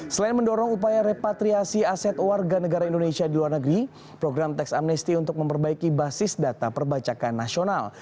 selain mendorong upaya repatriasi aset warga negara indonesia di luar negeri program teks amnesti untuk memperbaiki basis data perbacakan nasional